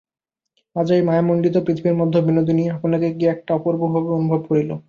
আজ এই মায়ামণ্ডিত পৃথিবীর মধ্যে বিনোদিনী আপনাকে কী একটা অপূর্বভাবে অনুভব করিল।